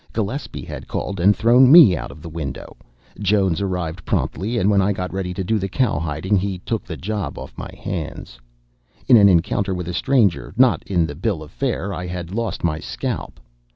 Gillespie had called and thrown me out of the window. Jones arrived promptly, and when I got ready to do the cowhiding he took the job off my hands. In an encounter with a stranger, not in the bill of fare, I had lost my scalp.